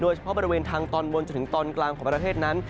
เฉพาะบริเวณทางตอนบนจนถึงตอนกลางของประเทศนั้น